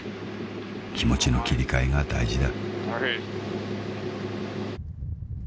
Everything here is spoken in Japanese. ［気持ちの切り替えが大事だ］